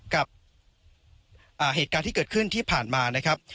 กับเหตุการณ์ที่เกิดขึ้นที่ผ่านมานะครับ